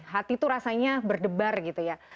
hati tuh rasanya berdebar gitu ya